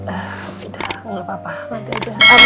ah udah gak apa apa